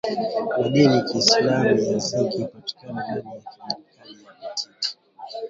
madiniya kalisiamu na zinki hupatikana ndani ya kemikali ya phytate